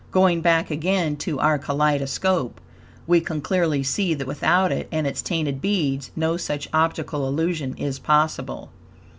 Going back again to our kaleidoscope, we can clearly see that without it, and its tinted beads, no such optical illusion is possible.